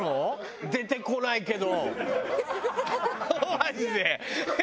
マジで。